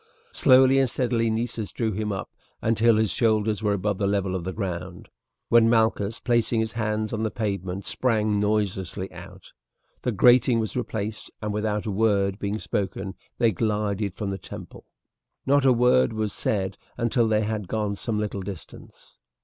Slowly and steadily Nessus drew him up until his shoulders were above the level of the ground, when Malchus, placing his hands on the pavement, sprang noiselessly out. The grating was replaced, and without a word being spoken they glided from the temple. Not a word was said until they had gone some little distance.